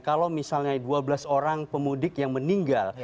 kalau misalnya dua belas orang pemudik yang meninggal